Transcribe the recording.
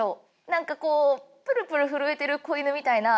なんかこうプルプル震えてる子犬みたいな。